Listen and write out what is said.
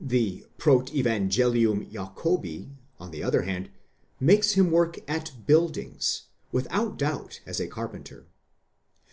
The Protevangelium Jacobi, on the other hand, makes him work at dbus/dings, οἰκοδομαῖς,ὅ without doubt as a carpenter.